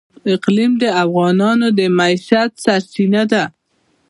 اقلیم د افغانانو د معیشت سرچینه ده.